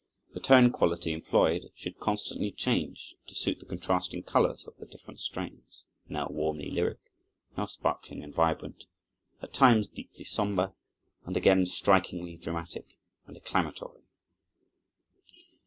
The tone quality employed should constantly change to suit the contrasting colors of the different strains; now warmly lyric, now sparkling and vibrant, at times deeply somber, and again strikingly dramatic and declamatory.